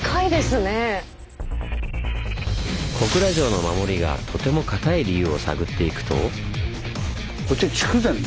小倉城の守りがとても堅い理由を探っていくと。